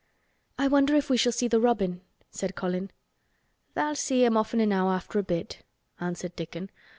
"I wonder if we shall see the robin?" said Colin. "Tha'll see him often enow after a bit," answered Dickon.